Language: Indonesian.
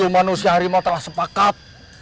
manusia harimau telah sepakat